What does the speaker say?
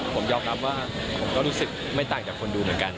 ผมยอมรับว่าผมก็รู้สึกไม่ต่างจากคนดูเหมือนกัน